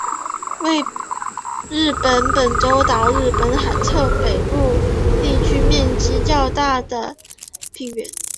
为日本本州岛日本海侧与北陆地方面积最大的平原。